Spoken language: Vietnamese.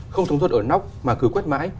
không chống rột ở nóc mà cứ quét mái